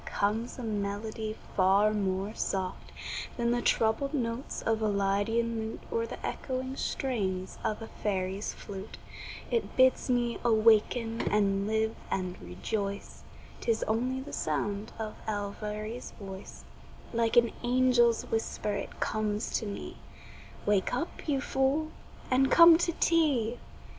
comes a melody far more soft Than the troubled notes of a lydian lute Or the echoing strains of a fairy's flute; It bids me awaken and live and rejoice, 'Tis only the sound of Elviry's voice Like an angel's whisper it comes to me: "Wake up, you fool, and come to tea."